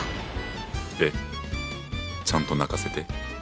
えっちゃんと泣かせて。